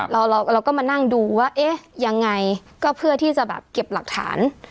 เราก็มานั่งดูว่าเอ๊ะยังไงก็เพื่อที่จะแบบเก็บหลักฐาน